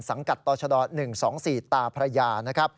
สังกัดตร๑๒๔ตาพระยา